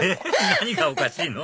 何がおかしいの？